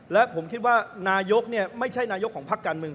และผมคิดว่านายกไม่ใช่นายกของพักการเมือง